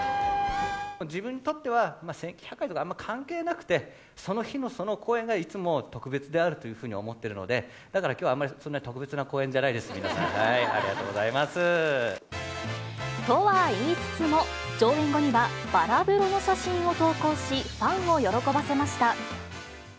自分にとっては、１９００回とかあんま関係なくて、その日のその公演が、いつも特別であるというふうに思っているので、だからきょう、あんまり特別な公演じゃないです、皆さん。ありがとうございます。とは言いつつも、上演後には、バラ風呂の写真を投稿し、ファンを喜ばせました。